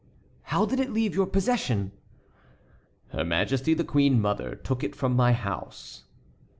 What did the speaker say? "How did it leave your possession?" "Her majesty the queen mother took it from my house."